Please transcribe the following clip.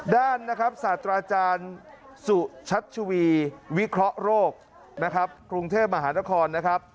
ด้านสัตว์อาจารย์สุชัชวีวิเคราะห์โรคกรุงเทพมหาละคร